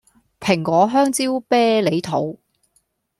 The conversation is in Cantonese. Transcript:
蘋果香蕉啤梨桃